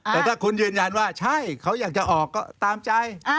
แต่ถ้าคุณยืนยันว่าใช่เขาอยากจะออกก็ตามใจ